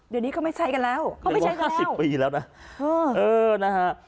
เดี๋ยวนี้เขาไม่ใช้กันแล้วเขาไม่ใช้ห้าสิบปีแล้วนะเออเออนะฮะ